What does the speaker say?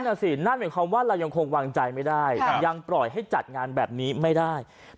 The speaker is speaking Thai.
นั่นสินั่นหมายความว่าเรายังคงวางใจไม่ได้ยังปล่อยให้จัดงานแบบนี้ไม่ได้